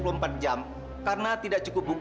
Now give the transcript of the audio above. mereka akan tak freund group